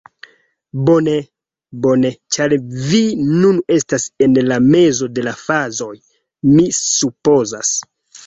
Bone, bone, ĉar vi nun estas en la mezo de la fazoj mi supozas.